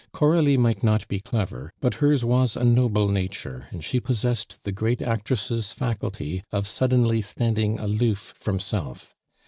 Coralie might not be clever, but hers was a noble nature, and she possessed the great actress' faculty of suddenly standing aloof from self.